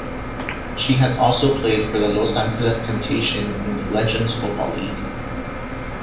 She has also played for the Los Angeles Temptation in the Legends Football League.